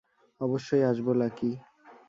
অবশ্যই আসবো, লাকি।